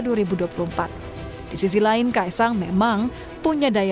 di sisi lain kaisang memang punya daya